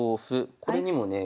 これにもねえ